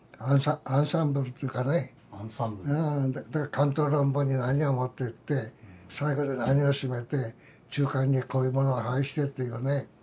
巻頭論文に何を持ってって最後で何を締めて中間にこういうものを配してっていうね。